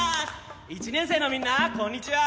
１年生のみんなこんにちは。